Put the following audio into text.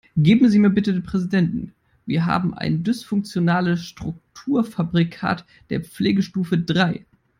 Geben Sie mir bitte den Präsidenten, wir haben ein dysfunktionales Strukturfabrikat der Pflegestufe drei.